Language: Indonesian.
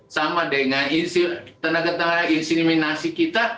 sama dengan tenaga tenaga insiminasi kita